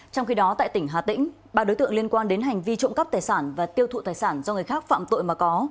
trong khi đó tại tỉnh hà tĩnh ba đối tượng liên quan đến hành vi trộm cắp tài sản và tiêu thụ tài sản do người khác phạm tội mà có